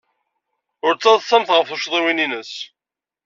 Ur ttaḍsamt ɣef tuccḍiwin-nnes.